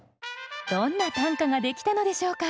どんな短歌ができたのでしょうか。